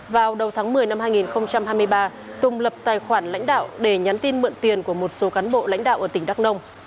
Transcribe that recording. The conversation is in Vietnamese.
vào đầu tháng một mươi năm hai nghìn hai mươi ba tùng lập tài khoản lãnh đạo để nhắn tin mượn tiền của một số cán bộ lãnh đạo ở tỉnh đắk nông